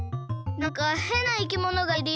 なんかへんないきものがいるよ。